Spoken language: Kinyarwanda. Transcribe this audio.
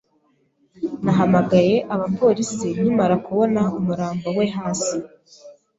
Nahamagaye abapolisi nkimara kubona umurambo we hasi.